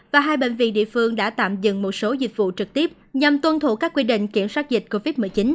và hai bệnh viện địa phương đã tạm dừng một số dịch vụ trực tiếp nhằm tuân thủ các quy định kiểm soát dịch covid một mươi chín